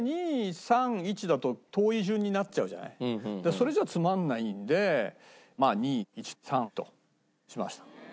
それじゃつまんないので２１３としました。